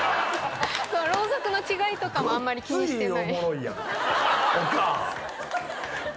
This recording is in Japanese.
ろうそくの違いとかもあんまり気にしてない。